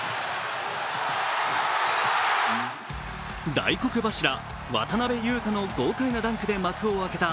大黒柱・渡邊雄太の豪快なダンクで幕を開けた